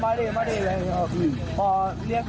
น้องขึ้นรถกันหมดเลย